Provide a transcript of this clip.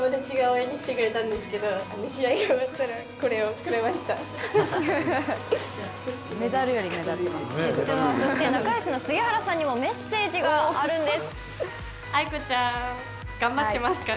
そして仲良しの杉原さんにもメッセージがあるんです。